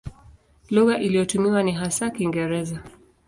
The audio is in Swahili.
Lugha inayotumiwa ni hasa Kiingereza.